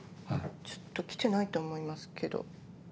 ちょっと来てないと思いますけど。